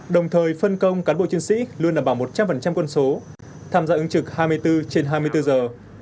đồng thời phân công cán bộ chiến sĩ luôn đảm bảo một trăm linh quân số tham gia ứng trực hai mươi bốn trên hai mươi bốn giờ